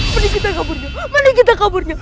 mending kita kaburnya mending kita kaburnya